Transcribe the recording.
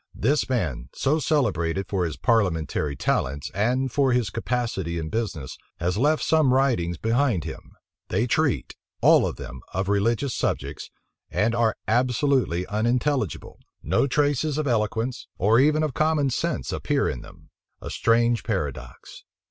This man, so celebrated for his parliamentary talents, and for his capacity in business, has left some writings behind him: they treat, all of them, of religious subjects, and are absolutely unintelligible: no traces of eloquence, or even of common sense, appear in them. A strange paradox!